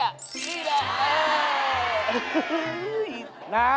นี่แหละ